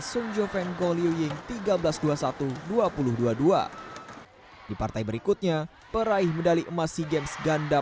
mung joveng goliw ying tiga belas dua puluh satu dua puluh dua dua puluh dua di partai berikutnya peraih medali emas seagames ganda